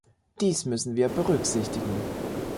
Dies müssen wir berücksichtigen.